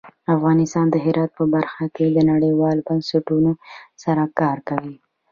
افغانستان د هرات په برخه کې نړیوالو بنسټونو سره کار کوي.